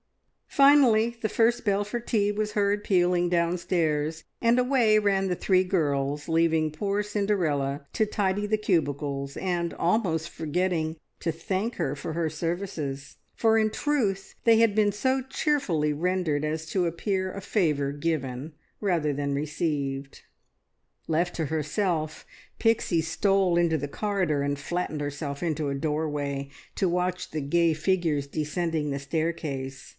Finally, the first bell for tea was heard pealing downstairs, and away ran the three girls, leaving poor Cinderella to tidy the cubicles, and almost forgetting to thank her for her services; for in truth they had been so cheerfully rendered as to appear a favour given, rather than received. Left to herself, Pixie stole into the corridor and flattened herself into a doorway to watch the gay figures descending the staircase.